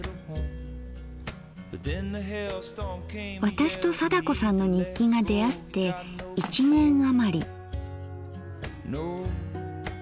私と貞子さんの日記が出会って１年余り。